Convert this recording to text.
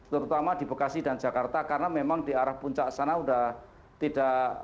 terutama di bekasi dan jakarta karena memang di arah puncak sana sudah tidak